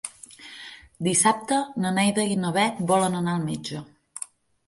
Dissabte na Neida i na Bet volen anar al metge.